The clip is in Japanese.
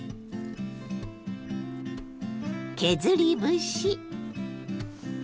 削り節。